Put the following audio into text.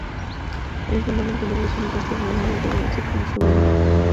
Es normal encontrar versiones de estas medallas en bronce, como souvenir.